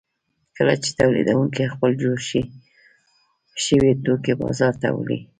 کله چې تولیدونکي خپل جوړ شوي توکي بازار ته وړي